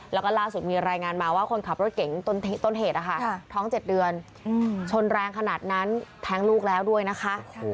แล้วก็ล่าสุดมีรายงานมาว่าคนขับรถเก๋งต้นเหตุนะคะท้อง๗เดือนชนแรงขนาดนั้นแท้งลูกแล้วด้วยนะคะ